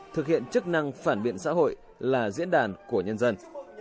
thực hiện chức năng phản biện xã hội là diễn đàn của nhân dân